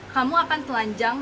kamu akan telanjang